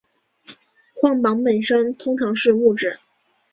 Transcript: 晃板本身通常是木制。